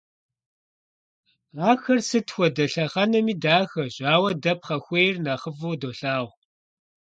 Ахэр сыт хуэдэ лъэхъэнэми дахэщ, ауэ дэ пхъэхуейр нэхъыфӀу долъагъу.